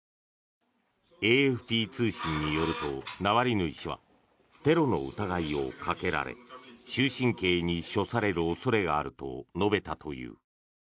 ＡＦＰ通信によるとナワリヌイ氏はテロの疑いをかけられ終身刑に処される恐れがあると述べたという。